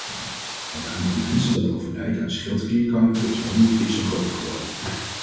Het aantal mensen dat overlijdt aan schildklierkanker is honderd keer zo groot geworden.